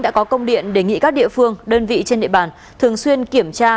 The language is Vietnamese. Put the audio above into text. đã có công điện đề nghị các địa phương đơn vị trên địa bàn thường xuyên kiểm tra